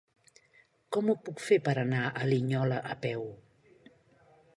Com ho puc fer per anar a Linyola a peu?